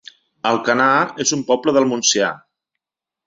Alcanar es un poble del Montsià